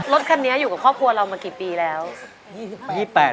รถคันนี้อยู่กับครอบครัวเรามากี่ปีแล้ว